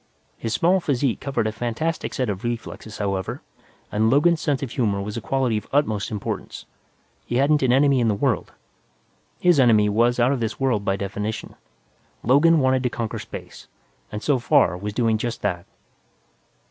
His small physique covered a fantastic set of reflexes, however, and Logan's sense of humor was a quality of utmost importance. He hadn't an enemy in the world. His enemy was out of this world by definition; Logan wanted to conquer space and, so far, was doing just that.